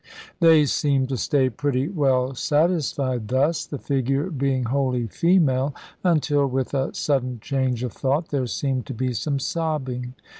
They seemed to stay pretty well satisfied thus, the figure being wholly female, until, with a sudden change of thought, there seemed to be some sobbing.